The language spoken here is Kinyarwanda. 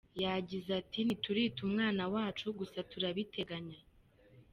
Yagize ati : “Ntiturita umwana wacu, gusa turabiteganya.